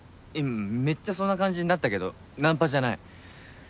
めっちゃそんな感じになったけどナンパじゃない。